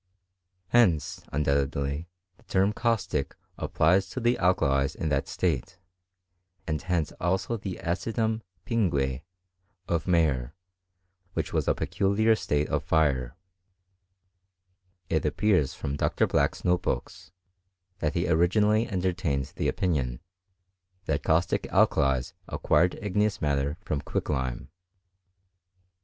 Henoa( undoubtedly, the term caustic applied to the alkalM in that state, and hence also the acidum pingne ot Mayer, which was a peculiar state of fire. It appeaH from Dr. Black's note books, that he originally eatarii tained the opinion, that caustic alkalies acquired, i^eous matter from quicklime.